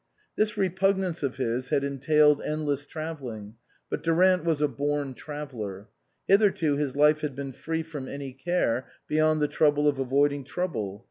This repugnance of his had entailed end less travelling, but Durant was a born traveller. Hitherto his life had been free from any care beyond the trouble of avoiding trouble.